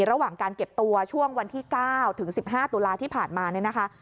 ระหว่างการเก็บตัวช่วงวันที่๙ถึง๑๕ตุลาที่ผ่านมาเนี่ยนะคะ